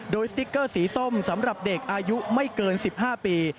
โดยสติ๊กเกอร์สีส้มสำหรับเด็กอายุไม่เกิน๑๕ปี